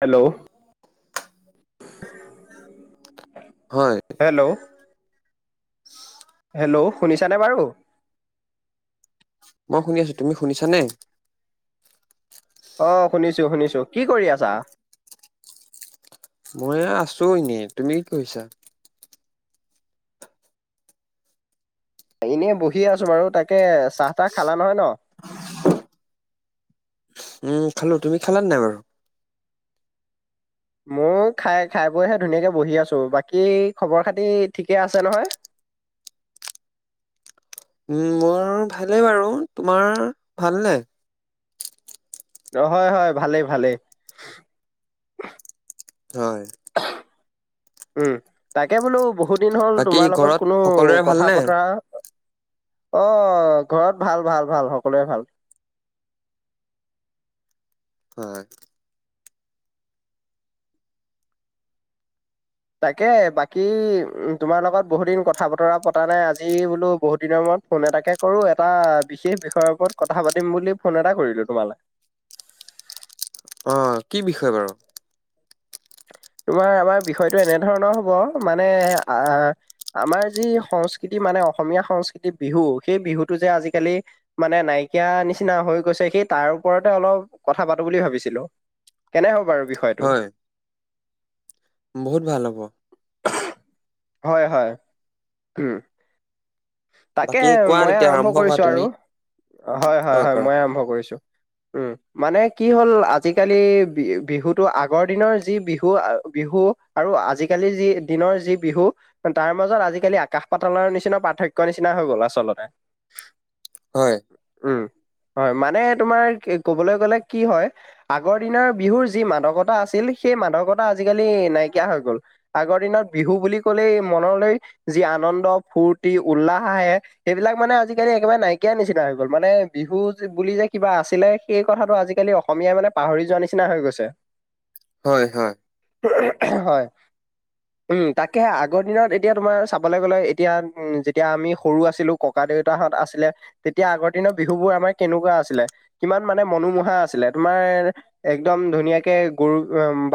Hello, হয় [inaudible] hello? Hello, শুনিছানে বাৰু? মই শুনি আছোঁ‌, তুমি শুনিছা নে? অ', শুনিছো শুনিছো, কি কৰি আছা? মই আছোঁ‌ এনেই, তুমি কি কৰিছা- এনেই বহি আছো বাৰু, তাকে চাহ তাহ খালা নহয় ন? উম, খালো তুমি খালান নাই বাৰু- মই খাই খাই-বৈহে ধুনীয়াকে বহি আছো।, বাকী খবৰ খাতি ঠিকে আছে নহয়? উম, মোৰ ভালেই বাৰু, তোমাৰ ভালনে? হয়, হয়, ভালেই ভালেই। হয়। উম, তাকে বোলো বহুত দিন হ'ল বাকী তোমাৰ লগত ঘৰত কোনো সকলোৰে কথা ভালনে বতৰা অ', ঘৰত ভাল ভাল ভাল সকলোৱে ভাল। হয়। তাকে বাকী উম তোমাৰ লগত বহুত দিন কথা বতৰা পতা নাই আজি বোলো বহুত দিনৰ মূৰত ফোনে এতাকে কৰো এটা বিশেষ বিষয়ৰ ওপৰত কথা পাতিম বুলি ফোন এটা কৰিলো তোমালৈ। অ', কি বিষয় বাৰু? তোমাৰ আমাৰ বিষয়টো এনেধৰণৰ হ'ব, মানে আহ আমাৰ যি সংস্কৃতি মানে অসমীয়া সংস্কৃতিৰ বিহু, সেই বিহুটো যে আজিকালি মানে নাইকিয়া নিচিনা হৈ গৈছে সেই তাৰ ওপৰতে অলপ কথা পাতোঁ‌ বুলি ভাবিছিলোঁ। কেনে হ'ব বাৰু বিষয়টো? হয় বহুত ভাল হ'ব। হয়, হয়, উম। বাকী তাকেহে কোৱা মই তেতিয়া আৰম্ভ কৰা কৰিছো তুমি আৰু, অ হয়-হয়-হয় কৰা মইয়ে আৰম্ভ কৰিছো। উম। মানে কি হ'ল আজিকালি বি-বিহুটো আগৰ দিনৰ যি বিহু, বিহু আৰু আজিকালি যি দিনৰ যি বিহু তাৰ মাজত আজিকালি আকাশ পাতালৰ নিচিনা পাৰ্থক ক্য নিচিনা হৈ গ'ল আচলতে। হয়। উম, হয়, মানে তোমাৰ কবলৈ গ'লে কি হয় আগৰ দিনৰ বিহুৰ যি মাদকতা আছিল সেই মাদকতা আজিকালি নাইকিয়া হৈ গ'ল। আগৰ দিনত বিহু বুলি কলেই মনলৈ যি আনন্দ, ফূৰ্তি, উল্লাহ আহে সেইবিলাক মানে আজিকালি একেবাৰে নাইকিয়া নিচিনা হৈ গ'ল, মানে বিহু বুলি যে কিবা আছিলে এই কথাটো আজিকালি অসমীয়াই মানে পাহৰি যোৱা নিচিনা হৈ গৈছে। হয়, হয়। হয়। উম, তাকেহে আগৰ দিনত এতিয়া তোমাৰ চাবলৈ গ'লে এতিয়া উম যে তেতিয়া আমি সৰু আছিলোঁ‌, ককা দেউতাহঁত আছিলে, তেতিয়া আগৰ দিনৰ বিহু বোৰ আমাৰ কেনেকুৱা আছিলে? কিমান মানে মনোমোহা আছিলে? তোমাৰ একদম ধুনীয়াকে গৰু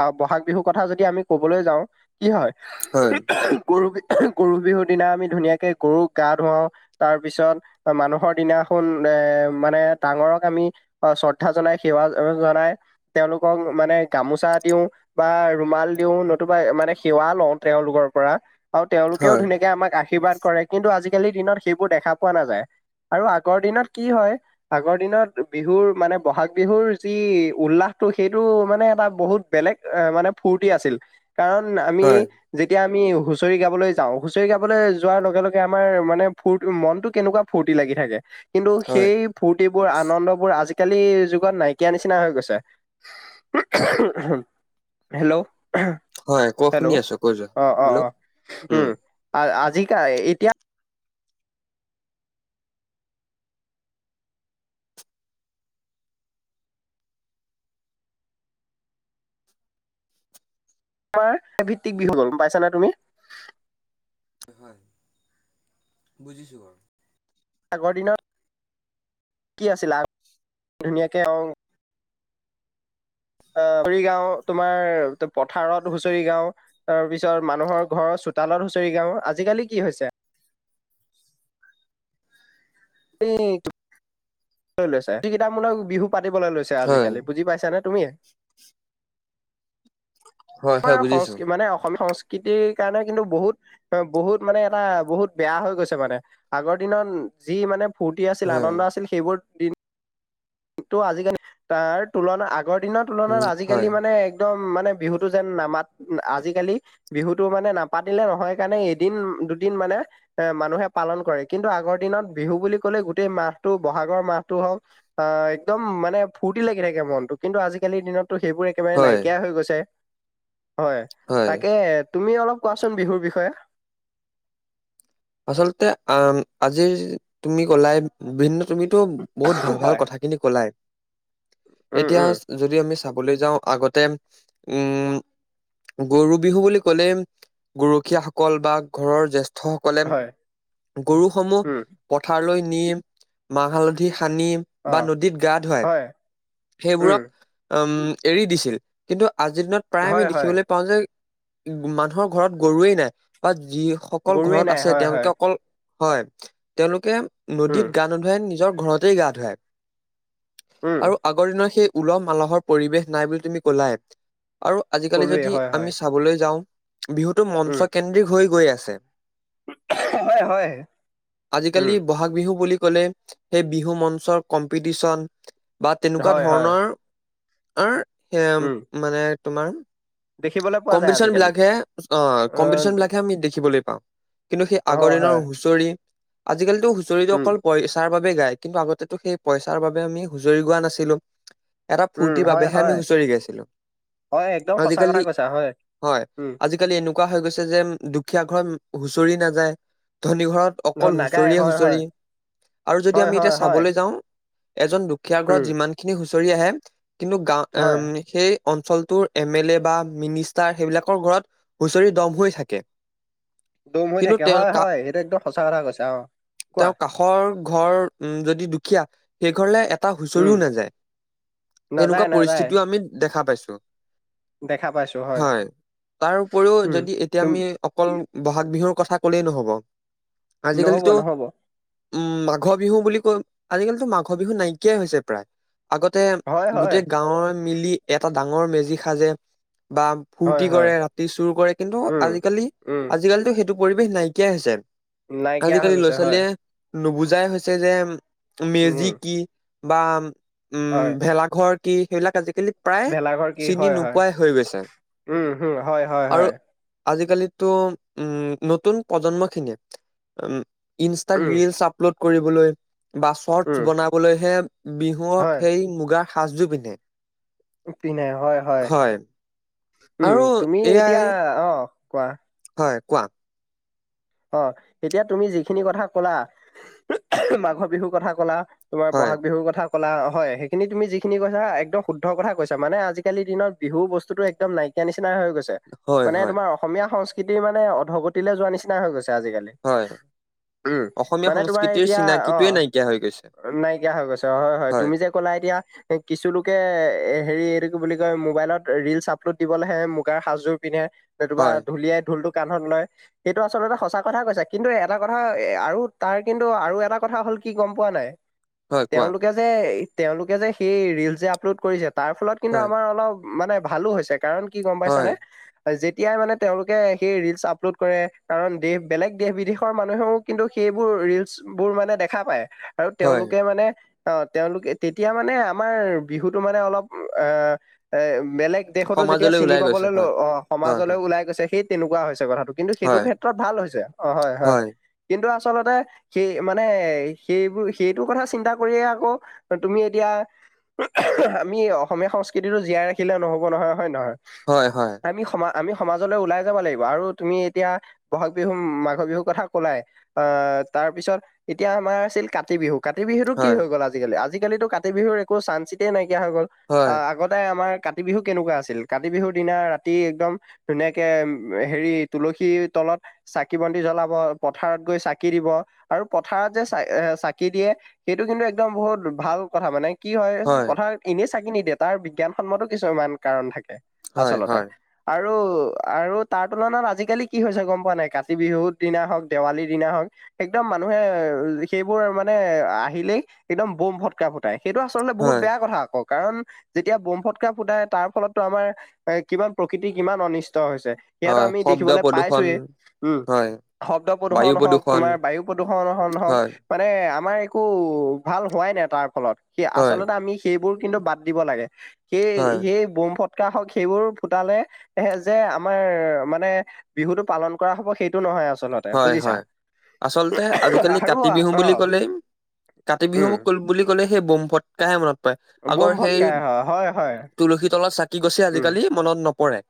বা বহাগ বিহুৰ কথা যদি আমি কবলৈ যাওঁ। কি হয়, হয় গৰু বিহু গৰু বিহু দিনা আমি ধুনীয়াকে গৰুক গা-ধুৱাও। তাৰ পিছত মানুহৰ দিনাখন এ মানে ডাঙৰক আমি অ' শ্ৰদ্ধা জনাই সেৱা জনাই তেওঁলোকক মানে গামোচা দিওঁ। বা ৰুমাল দিও নতুবা মানে সেৱা লওঁ তেওঁওলোকৰ পৰা। আৰু তেওঁলোকেও হয় ধুনীয়াকে আমাক আশীৰ্বাদ কৰে, কিন্তু আজিকালিৰ দিনত সেইবোৰ দেখা পোৱা নাযায়। আৰু আগৰ দিনত কি হয় আগৰ দিনত বিহুৰ মানে বহাগ বিহুৰ যি উল্লাহটো সেইটো মানে এটা বহুত বেলেগ মানে ফূৰ্তি আছিল। কাৰণ আমি হয় যেতিয়া আমি হুচৰি গাবলৈ যাওঁ হুচৰি গাবলৈ যোৱাৰ লগে লগ গে আমাৰ মানে ফূৰ্ত মনটো কেনেকুৱা ফূৰ্তি লাগি থাকে। কিন্তু হয় সেই ফূৰ্তিবোৰ, আনন্দ বোৰ আজিকালি যুগত নাইকিয়া নিচিনা হৈ গৈছে। হেল্ল'! হয় ক শুনি হেল্ল'! আছো কৈ যোৱা অ' অ' হেল্ল' অ', উম আজিকা তোমাৰ এ ভিত্তিক বিহু, গ'ম পাইছা নে তুমি? হয়, বুজিছোঁ বাৰু! আগৰ দিনত কি আছিল, ধুনীয়াকে অ' অ' হুঁচৰি গাও, তোমাৰ পথাৰত হুঁচৰি গাও। তাৰ পিছত মানুহৰ ঘৰৰ চোতালত হুঁচৰি গাও। আজিকালি কি হৈছে এক লৈ লৈছে [unintelligible] কেইটামূলক বিহু পাতিবলৈ লৈছে হয় আজিকালি। বুজি পাইছা নে তুমি? হয় হয় আমাৰ বুজিছো সংস্ক মানে অসমীয়া সংস্কৃতিৰ কাৰণে কিন্তু বহুত অ' বহুত মানে এটা বহুত বেয়া হৈ গৈছে মানে, আগৰ দিনত যি মানে ফূৰ্তি আছিল, হয় আনন্দ আছিল, সেইবোৰ দিন টো আজিকালি তাৰ তুলনাত আগৰ দিনৰ উম তুলনাত হয় আজিকালি মানে একদম মানে বিহুটো যেন নামাত আজিকালি বিহুটো মানে নাপাতিলে নহয় কাৰণে এদিন দুদিন মানে এ মানুহে পালন কৰে, কিন্তু আগৰ দিনত বিহু বুলি কলে গোটেই মাহটো বহাগৰ মাহটো হওক। অ' একদম মানে ফূৰ্তি লাগি থাকে মনটো, কিন্তু আজিকালিৰ দিনতটো সেইবোৰ একেবাৰে হয় নাইকিয়া হৈ গৈছে, হয়! হয়, তাকে তুমি অলপ কোৱাচোন বিহুৰ বিষয়ে। আচলতে আ-আজিৰ তুমি কলাই ভিন্ন তুমিতো বহুত ভাল ভাল হয় কথা খিনি কলাই, উম এতিয়া উম যদি আমি চাবলে যাওঁ আগত তে উম। গৰু বিহু বুলি ক'লে গৰখীয়াসকল বা ঘৰৰ জ্যেষ্ঠসকল হয়। গৰুসমূহ উম পথাৰলৈ নিম, মাহ হালধি, সানি অ বা নদীত গা-ধুৱাই। হয় উম সেইবোৰক উম, এৰি দিছিল কিন্তু আজিৰ দিনত প্ৰায় আমি হয় হয় দেখিবলৈ পাওঁ যে মানুহৰ ঘৰত গৰুৱেই নাই বা যিসকল গৰুৱে ঘৰত নাই আছে। হয় হয় তেওঁলোকে অকল হয়, তেওঁলোকে নদীত উম গা-নুধুৱাই, নিজৰ ঘৰতেই গা ধুৱাই। উম আৰু আগৰ দিনৰ সেই উলহ-মালহৰ পৰিৱেশ নাই বুলি তুমি কলাই আৰু আজিকালি কলোৱে যদি হয় হয় আমি চাবলৈ যাঁও, বিহুটো মঞ্চ উম কেন্দ্ৰিক হৈ গৈ আছে। হয় হয়। আজিকালি উম ব'হাগ বিহু বুলি ক'লে সেই বিহু মঞ্চৰ কম্পিটিচন। বা তেনেকুৱা হয় হয় ধৰণৰ-ধৰণৰ এ উম মানে তোমাৰ দেখিবলৈ পোৱা যায় কম্পিতিশ্যন আজিকালি বিলাকহে অ', কম্পিতিশ্যন বিলাকহে আমি দেখিবলৈ পাওঁ। কিন্তু সেই আগৰ হয় দিনৰ হয় হুঁচৰি, আজিকালিতো হুঁচৰিতো উম অকল পইছ তাৰ বাবে গাই কিন্তু আগতেতো সেই পইচাৰ বাবে আমি হুচৰি গোৱা নাছিলো। এটা উম ফূৰ্তিৰ হয় বাবেহে আমি হয় হুঁচৰি গাইছিলো, আজিকালি তা হয়। হয়, উম আজিকালি এনেকুৱা হৈ গৈছে যেন দুখীয়া ঘৰত হুঁচৰি নাযায় ধনী ঘৰত ধ অকল নাগায় হুঁচৰিয়ে হয় হয় হুঁচৰি। আৰু যদি হয় আমি এতিয়া হয় হয় চাবলৈ যাওঁ এজন দুখীয়াৰ ঘৰত উম যিমানখিনি হুঁচৰি আহে, কিন্তু গাওঁ হয় উম সেই অঞ্চলটোৰ এম এল এ বা মিনিষ্টাৰ সেইবিলা ঘৰত সেইবিলাকত হুচৰি দ'ম হৈ থাকে। দ'ম হৈ কিন্তু থাকে। তেওঁ হয়, কা হয়, সেইটো একদম সঁচা কথা কৈছে অ'। কোৱা খৰ ঘৰ উম, যদি দুখীয়া সেই ঘৰলে এটা উম হুঁচৰিও নাযায়, তেনেকুৱা নাযায় নাযায় পৰিস্থিতিও আমি দেখা পাইছো। দেখা পাইছো। হয়। তাৰ উপৰিও উম যদি এতিয়া তুম আমি অকল ব'হাগ বিহুৰ কথা ক'লেই নহ'ব। নহ'ব আজিকালিতো নহ'ব উম, মাঘৰ বিহু বুলি কৈ, আজিকালিতো মাঘ বিহু নাইকিয়াই হৈছে প্ৰায়। আগতে হয় হয় গোটেই গাঁৱৰ মিলি এটা ডাঙৰ মেজি সাজে বা হয় ফূৰ্তি হয় কৰে, ৰাতি চুৰ কৰে কিন্তু উম উম আজিকালি-আজিকালিটো সেইটো পৰিৱেশ নাইকিয়াই হৈছে। নাইকিয়া হৈ আজিকালি গৈছে হয় ল'ৰা-ছোৱালীয়ে নুবুজাই হৈছে যে উম মেজি কি? বা উম, হয় ভেলাঘৰ কি? সেইবিলাক আজিকালি প্ৰায় ভেলাঘৰ কি চিনি হয় হয় নোপোৱাই হৈছে উম হম হয় হয় আৰু হয় আজিকালিতো উম, নতুন প্ৰজন্মখিনিয়ে উম ইনষ্টাত উম ৰিলচ আপলোড কৰিবলৈ বা উম, চৰ্টচ বনাবলৈহে বিহুক হয় সেই মুগা সাজযোৰ পিন্ধে। পিন্ধে হয়, হয়। উম, আৰু তুমি এয়াই এতিয়া, অ', কোৱা। হয়, কোৱা। অ', এতিয়া তুমি যেখিনি কথা ক'লা, মাঘৰ বিহুৰ কথা ক'লা তোমাৰ হয় ব'হাগ বিহুৰ কথা ক'লা হয়, সেইখিনি তুমি কৈছা একদম শুদ্ধ কথা কৈছা। মানে আজিকালিৰ দিনত বিহু বস্তুটো একম নাই কিয়া নিচিনা হৈ গৈছে। হয় মানে হয় তোমাৰ অসমীয়া সংস্কৃতিৰ মানে অধগতিলৈ যোৱাৰ নিচিনা হৈ গৈছে আজিকালি। হয়। উম, অসমীয়া মানে তোমাৰ সংস্কৃতিৰ এতিয়া, চিনাকিটোৱে অ', নাইকিয়া হৈ গৈছে নাইকিয়া হৈ গৈছে। অ', হয়, হয়, তুমি যে ক'লা এতিয়া কিছুলোকে এ হেৰি এইটো কি বুলি কয় মোবাইলত ৰিল্চ আপলোড দিবলৈহে মুগাৰ সাজযোৰ পিন্ধে হয় [unintelligible] ঢুলিয়াই ঢোলটো কান্ধত লয়। সেইটো আচলতে সঁচা কথা কৈছা। কিন্তু এটা কথা এ আৰু তাৰ কিন্তু আৰু এটা কথা হ'ল কি গম পোৱা নাই? হয় কোৱা তেওঁলোকে যে, তেওঁলোকে যে সেই ৰিল্চ যে আপলোড কৰিছে, তাৰফলত কিন্তু হয় আমাৰ অলপ মানে ভালো হৈছে কাৰণ কি গম হয়, পাইছানে? যেতিয়াই মানে তেওঁলোকে সেই ৰিল্চ আপলোড কৰে কাৰণ দেশ, বেলেগ দেশ-বিদেশৰ মানুহেও কিন্তু সেইবোৰ ৰিল্চবোৰ মানে দেখা পায় আৰু হয়, তেওঁলোকে মানে অ', তেওঁলোকে তেতিয়া মানে আমাৰ বিহুতো মানে অলপ উম, আ, এ, বেলেগ দেশতো যেতিয়া সমাজলৈ চিনি ওলাই গৈছে। পাবলৈ ল, হয়, অ', হয়, সমাজলৈ হয়, ওলাই গৈছে সেই তেনেকুৱা হৈছে কথাটো। কিন্তু সেইটো হয়, ক্ষেত্ৰত ভাল হৈছে। অ', হয়, হয়। কিন্তু আচলতে সেই মানে, সেইবোৰ, সেইটোৰ কথা চিন্তা কৰিয়ে আকৌ তুমি, এতিয়া আমি অসমীয়া সংস্কৃতিটো জীয়াই ৰাখিলে নহ'ব নহয়, হয় নে নহয়? হয়, হয়। আমি সম, আমি সমাজলৈ ওলাই যাব লাগিব আৰু তুমি এতিয়া বহাগ বিহু, মাঘৰ বিহুৰ কথা কলাই। আহ, তাৰপিছত এতিয়া আমাৰ আছিল কাতি বিহু। কাতি বিহুতটো কি হয়, হৈ গ'ল আজিকালি, আজিকালিতো কাতি বিহুৰ একো চানচিতেই নাইকিয়া হৈ গ'ল, হয়, আহ আগতে আমাৰ কাতি বিহু কেনেকুৱা আছিল, কাতি বিহুৰ দিনা ৰাতি একদম ধুনীয়াকে হেৰি তুলসীৰ তলত চাকি-বন্তি জ্বলাব, পথাৰত গৈ চাকি দিব আৰু পথাৰত যে চা-চাকি দিয়ে। সেইটো কিন্তু একদম বহুত ভাল কথা মানে কি হয় পথাৰ এনেই চাকি নিদিয়ে, তাৰ বিজ্ঞানসন্মতো কিছু ইমান কাৰণ থাকে। হয়, আচলতে হয়, আৰু, আৰু তাৰ তুলনাত আজি আজিকালি কি হৈছে গম পোৱা নাই, কাতি বিহুৰ দিনা হ'ওক দেৱালীৰ দিনা হ'ওক। একদম মানুহে সেইবোৰ মানে আহিলেই, একদম বোম ফত ফুটকা-ফুটাই সেইটো আচলতে বহুত হয়, বেয়া কথা আকৌ, কাৰণ যেতিয়া বোম ফুটকা-ফুটাই তাৰ ফলতো আমাৰ এ, কিমান প্ৰকৃতি কিমান অনিষ্ট হৈছে। হয়, শব্দ পদো য়ে, উম, শব্দ বায়ু প্ৰদূৰণ হ'ওক, প্ৰদূষণ, তোমাৰ বায়ু প্ৰদূৰণ হ'ওক হয়, মানে আমাৰ একো ভাল হোৱাই নাই তাৰ ফলত, সে হয়, আচলতে আমি সেইবোৰ কিন্তু বাদ দিব লাগে, সেই, হয়, সেই, বোম ফ ফটকা হ'ওক সেইবোৰ ফুটালে সে, যে, আমাৰ মানে বিহুতটো পালন কৰা হ'ব, সেইটো নহয় আচলত হয়, হয়, আচলতে আজিকালি আৰু কাতি অ' বিহু বুলি ক'লে কাতি বিহু উম, ক, বুলি ক'লে সেই বম ফ কাহে মনত পাৰে, আগৰ বোম সেই ফটকাই হয় হয় হয় তুলসী তলত চাকি গছে, আজিকালি মনত নপৰে।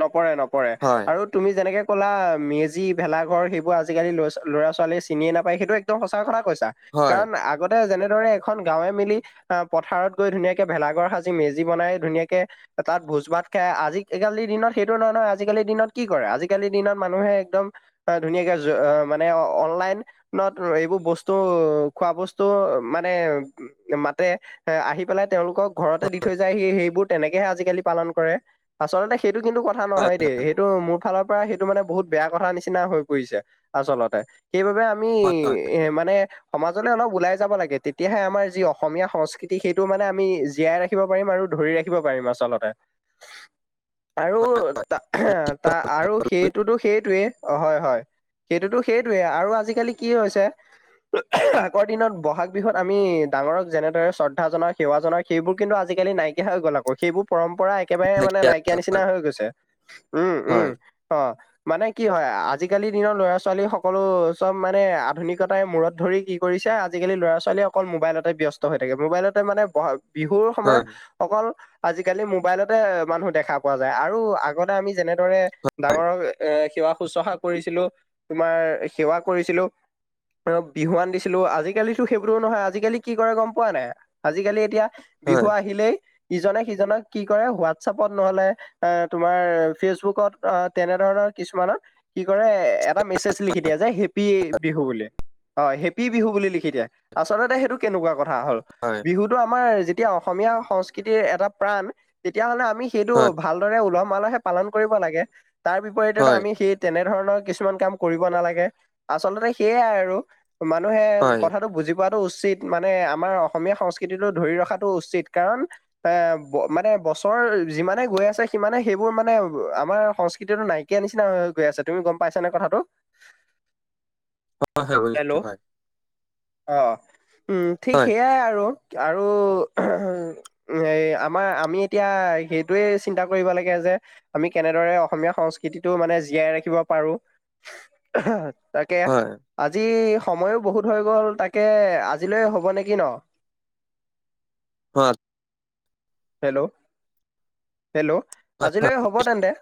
নকৰে, নপৰে, হয়, আৰু তুমি যেনেকৈ ক'লা, মেজি, ভেলাঘৰ সেইবোৰ আজিকালি ল-ল'ৰা ছোৱালীয়ে চিনিয়ে নাপায়, সেইটো একদম সঁচা কথা কৈছা। হয়, কাৰণ আগত তে, যেনেদৰে এখন গাঁৱে মিলি, আহ পথাৰত গৈ ধুনীয়াকে ভেলাঘৰ সাজি মেজি বনাই ধুনীয়াকে। তাত ভোজ ভাত খাই, আজি আজিকালিৰ দিনত সেইটো নহয়, নহয় আজিকালিৰ দিনত কি কৰে আজিকালিৰ দিনত মানুহে একদম অ, ধুনীয়াকে য, মানে অনলাইন ন, এইবোৰ বস্তু, খোৱা বস্তু মানে মাতে, এ, আহি পেলাই তেওঁলোকক ঘৰতে দি থৈ যায় হি, সেইবোৰ তেনেকেহে আজিকালি পালন কৰে আচলতে সেইটো কিন্তু কথা হয়, নহয় দে, সেই এইটো মোৰ ফালৰ পৰা সেইটো মানে বহুত বেয়া কথা নিচিনা হৈ পৰিছে, আচলতে সেইবাবে আমি এ, মানে সমাজলৈ অলপ ওলাই যাব লাগে, তেতিয়াহে আমাৰ যি অসমীয়া সংস্কৃতি সেইটো মানে আমি জীয়াই ৰাখি [inaudible] পাৰিম আৰু ধৰি ৰাখিব পাৰিম আচলতে। আৰু তা, আৰু সেইটোতো সেইটোৱেই অ, হয়, হয়, সেইটোতো, সেইটোৱে আৰু আজিকালি কি হৈছে? আগৰ দিনত ব'হাগ বিহুত আমি ডাঙৰক যেনেদৰে শ্ৰদ্ধা জনাও, সেৱা জনাও সেইবোৰ কিন্তু আজিকালি নাইকিয়া হৈ গ'ল আকৌ। সেইবোৰ পৰম্পৰা একেবাৰে মানে হয়, নাইকিয়া নিচিনা হৈ গৈছে। উম-উম! হয়, অঁ। মানে কি হয় আজিকালি দিনৰ ল'ৰা-ছোৱালী সকলো চব মানে আধুনিকতাই মূৰত ধৰি কি কৰিছে। আজিকালি ল'ৰা-ছোৱালীয়ে অকল মোবাইলতে ব্যস্ত হৈ থাকে। মোবাইলতে মানে পঢ়া বিহুৰ হয়, সময়ত হয়, অকল আজিকালি মোবাইলতে মানুহ দেখা পোৱা যায়। আৰু আগতে আমি যেনেদৰে ডাঙৰক এ সেৱা শুশ্ৰূষা কৰিছিলোঁ, তোমাৰ সেৱা কৰিছিলোঁ। ডাঙৰক বিহুৱান দিছিলোঁ। আজিকালি সেইবোৰো নহয়, আজিকালি কি কৰে গম পোৱা নাই? আজিকালি এতিয়া হয়, বিহু আহিলেই ইজনে-সিজনক কি কৰে হোৱাটছপত নহ'লে এ তোমাৰ ফেচবুকত অঁ তেনেধৰণৰ কিছুমানৰ কি কৰে এ এটা মেছেজ লিখি দিয়ে যে সেই হেপী বিহু বুলি। হয় হেপী বিহু বুলি লিখি দিয়ে। আচলতে সেইটো কেনেকুৱা কথা হ'ল? হয়। বিহুটো আমাৰ যেতিয়া অসমীয়া সংস্কৃতিৰ এটা প্ৰাণ, তেতিয়াহ'লে আমি সেইটো হয়, ভালদৰে উলহ-মালহে পালন কৰিব লাগে। তাৰ বিপৰীতেনো হয়, আমি সেই তেনে ধৰণৰ কিছুমান কাম কৰিব নালাগে আচলতে সেইয়াই আৰু। মানুহে হয়। কথাটো বুজি পোৱাটো উচিত, মানে আমাৰ অসমীয়া সংস্কৃতিটো ধৰি ৰখাটো উচিত, কাৰণ এ মানে বছৰ যিমানে গৈ আছ আছে। সিমানে সেইবোৰ মানে আমাৰ সংস্কৃতিতো নাইকিয়া নিচিনা হৈ-হৈ গৈ আছে, তুমি গম পাইছা নে কথাটো। [unintelligible] হয়-হয় হেল্ল' [unintelligible] ভাই। অ! উম, ঠিক হয় সেইয়াই আৰু। আৰু [unintelligible] এ, আমাৰ আমি এতিয়া সেইটোৱেই চিন্তা কৰিব লাগে যে, আমি কেনেদৰে অসমীয়া সংস্কৃতিটো মানে জীয়াই ৰাখিব পাৰোঁ। [unintelligible] তাকে। আজি সময়ো বহুত হৈ গ'ল, তাকে আজিলৈ হ'ব নেকি ন? হয়। হেল্ল'! হেল্ল'! আজি হয় লৈ হ'ব তেন্তে।